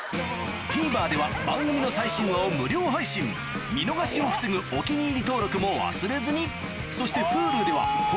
ＴＶｅｒでは番組の最新話を無料配信見逃しを防ぐ「お気に入り」登録も忘れずにそしてＨｕｌｕでは本日の放送も過去の放送も配信中